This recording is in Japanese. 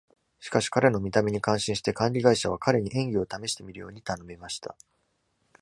しかし、彼の見た目に感心して、管理会社は彼に演技を試してみるように頼みました。